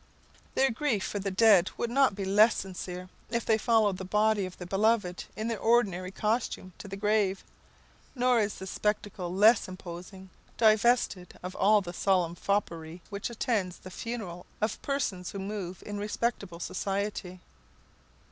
Their grief for the dead would not be less sincere if they followed the body of the beloved in their ordinary costume to the grave; nor is the spectacle less imposing divested of all the solemn foppery which attends the funeral of persons who move in respectable society.